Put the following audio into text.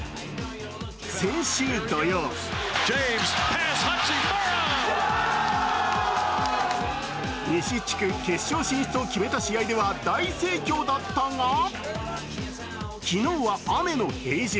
先週土曜西地区決勝進出を決めた試合では大盛況だったが昨日は雨の平日。